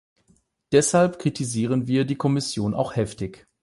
Deshalb kritisieren wir die Kommission auch heftig.